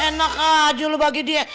enak aja lu bagi dia